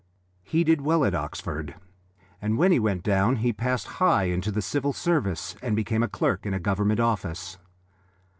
He did well at Oxford, and when he went down he passed high into the Civil Service and became a clerk in a Government office.